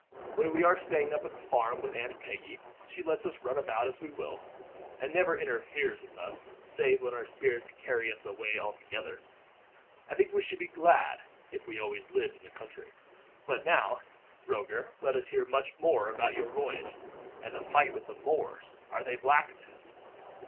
When we are staying up at the farm with Aunt Peggy, she lets us run about as we will; and never interferes with us, save when our spirits carry us away altogether. I think we should be glad if we always lived in the country. "But now, Roger, let us hear much more about your voyage, and the fight with the Moors. Are they black men?"